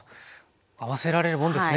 合わせられるもんですね